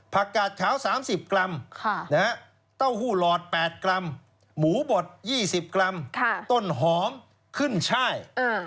กาดขาว๓๐กรัมเต้าหู้หลอด๘กรัมหมูบด๒๐กรัมต้นหอมขึ้นช่าย